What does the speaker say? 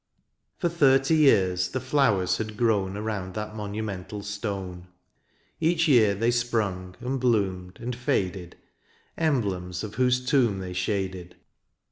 For thirty years the flowers had grown Around that monumental stone ; Each year they sprung, and bloomed, and faded. Emblems of her whose tomb they shaded.